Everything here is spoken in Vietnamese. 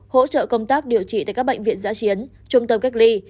hỗ trợ công tác điều trị tại các bệnh viện giã chiến trung tâm cách ly